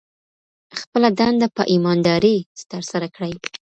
خپله دنده په ایماندارۍ ترسره کړئ.